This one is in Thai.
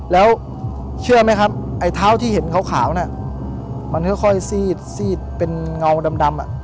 แล้วเชื่อไหมครับไอ้เท้าที่เห็นขาวน่ะมันค่อยซีดเป็นเงาดำ